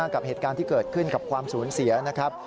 กับเหตุการณ์ที่เกิดขึ้นกับความสูญเสียนะครับ